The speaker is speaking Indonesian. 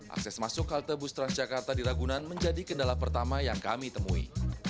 akses masuk halte bus transjakarta di ragunan menjadi kendala pertama yang kami temui